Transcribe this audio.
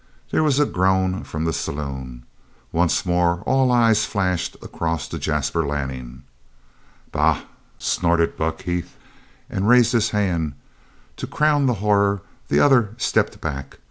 There was a groan from the saloon. Once more all eyes flashed across to Jasper Lanning. "Bah!" snorted Buck Heath, and raised his hand. To crown the horror, the other stepped back.